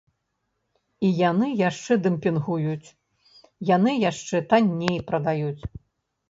І яны яшчэ дэмпінгуюць, яны яшчэ танней прадаюць.